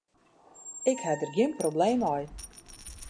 Ik ha der gjin probleem mei.